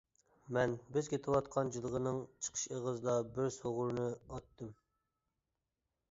مەن بىز كېتىۋاتقان جىلغىنىڭ چىقىش ئېغىزىدا بىر سۇغۇرنى ئاتتىم.